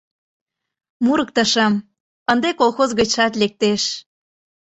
Мурыктышым... ынде колхоз гычшат лектеш...